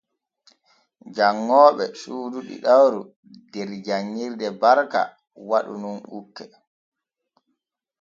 Janŋooɓe suudu ɗiɗawru der janŋirde Barka waɗu nun ukke.